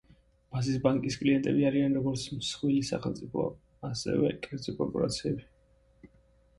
ბაზისბანკის კლიენტები არიან როგორც მსხვილი სახელმწიფო, ასევე კერძო კორპორაციები.